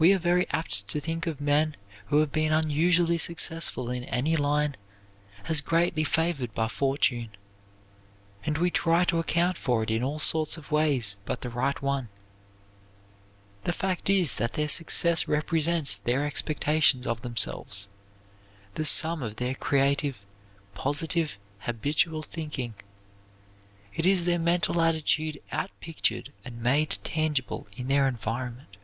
We are very apt to think of men who have been unusually successful in any line as greatly favored by fortune; and we try to account for it in all sorts of ways but the right one. The fact is that their success represents their expectations of themselves the sum of their creative, positive, habitual thinking. It is their mental attitude outpictured and made tangible in their environment.